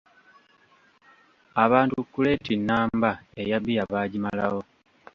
Abantu kuleeti namba eya bbiya baagimalawo.